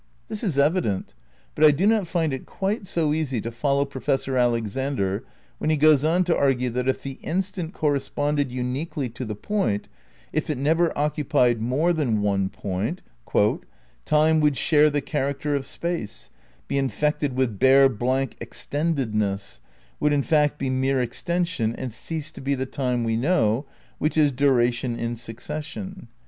This is evident ; but I do not find it quite so easy to follow Professor Alexander when he goes on to argue that if the instant corresponded uniquely to the point, if it never occupied more than one point, "Time would share the character of Space, be infected with bare blank extendedness, would in fact be mere extension and cease to be the Time we know, which is duration in succession.